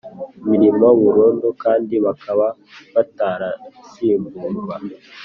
Mirimo burundu kandi bakaba batarasimburwa